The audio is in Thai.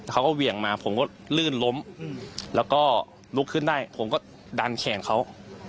เขาก็เหวี่ยงมาผมก็ลื่นล้มแล้วก็ลุกขึ้นได้ผมก็ดันแขนเขา